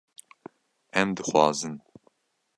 Em dixwazin